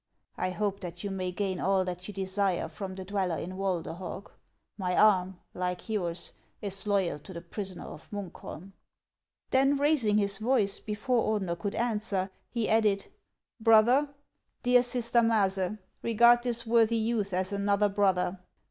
" I hope that you may gain all that you desire from the dweller in Walderhog ; my arm, like yours, is loyal to the prisoner of Munkholm." Then, raising his voice, before Ordener could answer, he added :" Brother, dear sister Maase, regard this worthy youth as another brother.